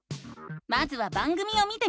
まずは番組を見てみよう！